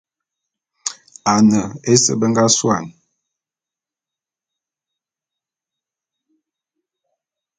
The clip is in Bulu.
Ane ese be nga suane.